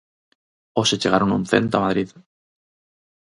Hoxe chegaron un cento a Madrid.